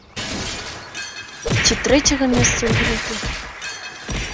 Ці трэцяга месца ў групе.